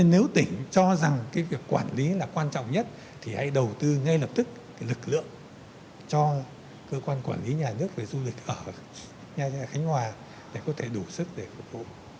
nếu tỉnh cho rằng cái việc quản lý là quan trọng nhất thì hãy đầu tư ngay lập tức lực lượng cho cơ quan quản lý nhà nước về du lịch ở nha khánh hòa để có thể đủ sức để phục vụ